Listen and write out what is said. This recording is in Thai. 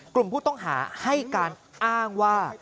กลุ่มผู้ต้องหาให้การอ้างว่า